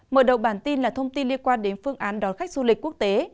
mở đầu bản tin là thông tin liên quan đến phương án đón khách du lịch quốc tế